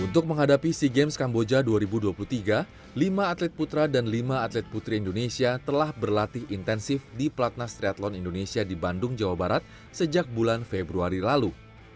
untuk menghadapi sea games kamboja dua ribu dua puluh tiga lima atlet putra dan lima atlet putri indonesia telah berlatih intensif di platnas triathlon indonesia di bandung jawa barat sejak bulan februari lalu